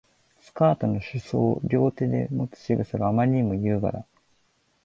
スカートの裾を両手でもつ仕草があまりに優雅だ